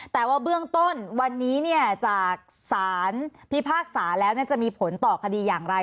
แต่ว่าเบื้องต้นวันนี้จากศาลพิพากษาแล้วจะมีผลต่อคดีอย่างไร